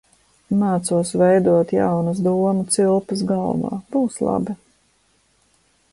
Mācos veidot jaunas domu cilpas galvā. Būs labi.